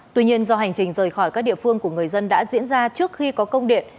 tuy nhiên do hành trình rời khỏi các địa phương của người dân đã diễn ra trước khi có công điện